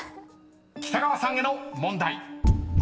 ［北川さんへの問題］